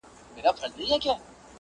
ولي پردۍ مینې ته لېږو د جهاني غزل٫